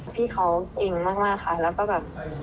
พี่เขาเก่งมากค่ะ